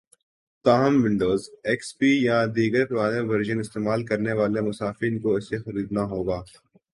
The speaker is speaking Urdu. تاہم ونڈوز ، ایکس پی یا دیگر پرانے ورژن استعمال کرنے والے صارفین کو اسے خریدنا ہوگا